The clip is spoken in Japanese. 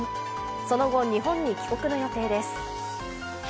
その後、日本に帰国の予定です。